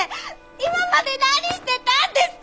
今まで何してたんですか！